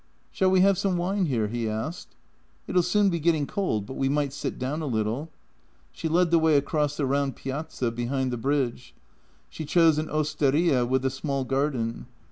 " Shall we have some wine here? " he asked. " It'll soon be getting cold, but we might sit down a little." She led the way across the round piazza behind the bridge. She chose an osteria with a small garden.